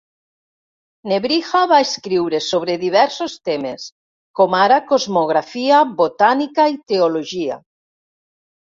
Nebrija va escriure sobre diversos temes, com ara cosmografia, botànica y teologia.